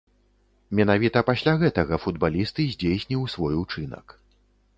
Менавіта пасля гэтага футбаліст і здзейсніў свой учынак.